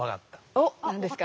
おっ何ですか？